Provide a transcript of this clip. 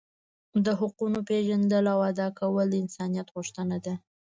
د حقونو پیژندل او ادا کول د انسانیت غوښتنه ده.